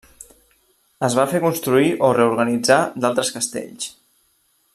Es va fer construir o reorganitzar d'altres castells.